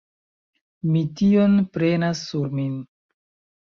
Mi tion prenas sur min.